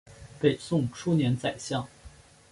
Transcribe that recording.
北宋初年宰相。